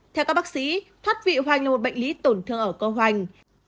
theo các bác sĩ thoát vị hoành là một bệnh lý tổn thương ở cơ hoành